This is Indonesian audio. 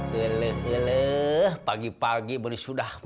leleh leleh pagi pagi